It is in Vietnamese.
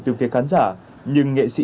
từ phía khán giả nhưng nghệ sĩ